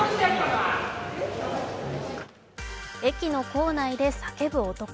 駅の構内で叫ぶ男。